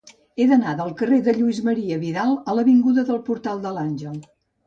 He d'anar del carrer de Lluís Marià Vidal a l'avinguda del Portal de l'Àngel.